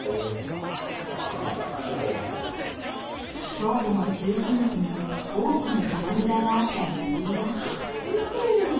京都の中心地に多くの酒蔵があった理由はあっ出てる。